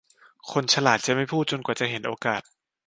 คนฉลาดจะไม่พูดจนกว่าจะเห็นโอกาส